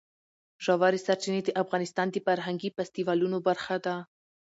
ژورې سرچینې د افغانستان د فرهنګي فستیوالونو برخه ده.